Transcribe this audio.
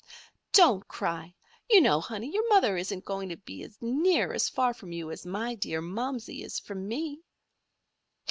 "Don't cry. You know, honey, your mother isn't going to be near as far from you as my dear Momsey is from me."